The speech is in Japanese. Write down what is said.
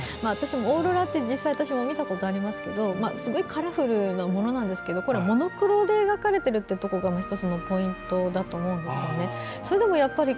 私もオーロラって実際に見たことありますけどすごいカラフルなものなんですがこれ、モノクロで描かれているというところが１つのポイントだと思うんですね。